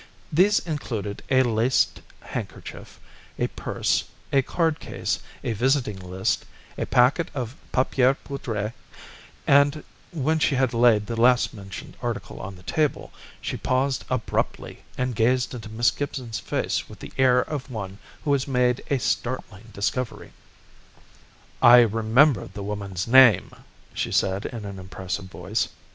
These included a laced handkerchief, a purse, a card case, a visiting list, a packet of papier poudré, and when she had laid the last mentioned article on the table, she paused abruptly and gazed into Miss Gibson's face with the air of one who has made a startling discovery. "I remember the woman's name," she said in an impressive voice.